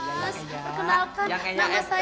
eh suara seksi